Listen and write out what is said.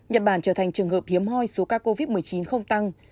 nhật bản trở thành trường hợp hiếm hoi số ca covid một mươi chín không tăng